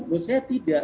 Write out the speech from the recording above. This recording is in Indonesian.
menurut saya tidak